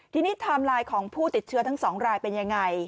ทีนี้ไทม์ไลน์ของผู้ติดเชื้อทั้งสองรายเป็นยังไง